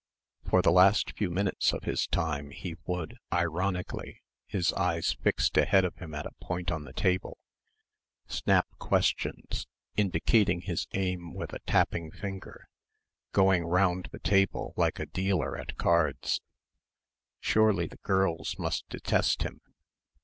For the last few minutes of his time he would, ironically, his eyes fixed ahead of him at a point on the table, snap questions indicating his aim with a tapping finger, going round the table like a dealer at cards. Surely the girls must detest him....